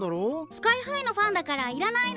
スカイハイのファンだからいらないの。